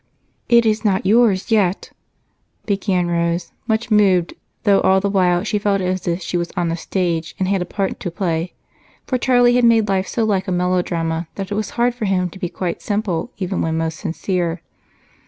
"It is not yours yet," began Rose, much moved, though all the while she felt as if she were on a stage and had a part to play, for Charlie had made life so like a melodrama that it was hard for him to be quite simple even when most sincere.